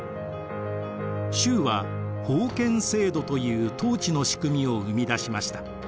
周は封建制度という統治の仕組みを生み出しました。